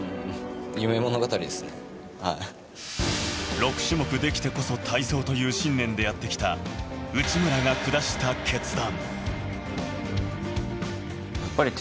６種目できてこそ体操という信念でやってきた内村が下した決断。